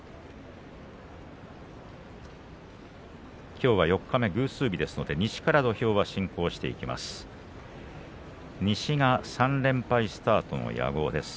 きょうは四日目偶数日西から土俵が進行していきます。